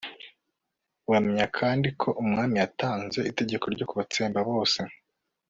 bamenya kandi ko umwami yatanze itegeko ryo kubatsemba bose